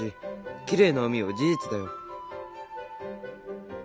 きれいな海は事実だよ。